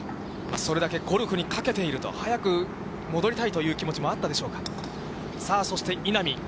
それだけ、ゴルフにかけていると、早く戻りたいという気持ちもあったでしょうか。